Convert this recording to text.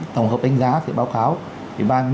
tổng hợp đánh giá thì báo kháo ủy ban